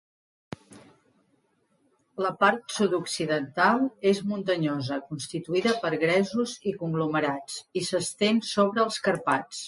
La part sud-occidental és muntanyosa, constituïda per gresos i conglomerats, i s'estén sobre els Carpats.